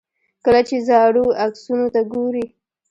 کله چې زاړو عکسونو ته ګورئ.